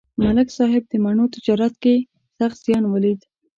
ملک صاحب د مڼو تجارت کې سخت زیان ولید.